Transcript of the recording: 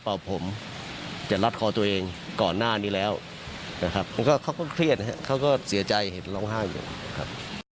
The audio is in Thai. ผมจะรัดคอตัวเองก่อนหน้านี้แล้วนะครับเขาก็เขาก็เครียดนะครับเขาก็เสียใจเห็นร้องไห้อยู่ครับ